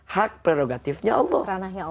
hak prerogatifnya allah